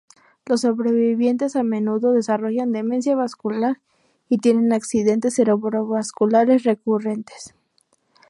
Los sobrevivientes a menudo desarrollan demencia vascular y tienen accidentes cerebrovasculares recurrentes.